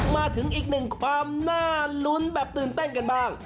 มาถึงอีกหนึ่งความน่าลุ้นแบบตื่นเต้นกันบ้าง